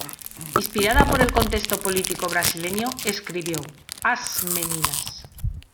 Inspirada por el contexto político brasileño, escribió "As Meninas".